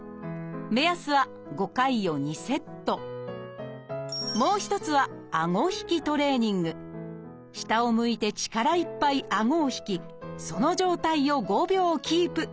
目安はもう一つは下を向いて力いっぱいあごを引きその状態を５秒キープ。